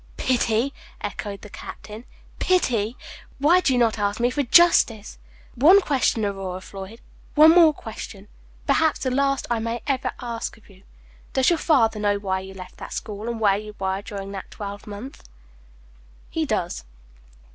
"Pity!" echoed the captain; "pity! Why do you not ask me for justice? One question, Aurora Floyd, one more question, perhaps the last I ever may ask of you Does your father know why you left that school, and where you were during that twelvemonth?" "He does."